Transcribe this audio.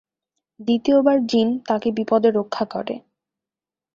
দ্বিতীয়বার জিন তাকে বিপদে রক্ষা করে।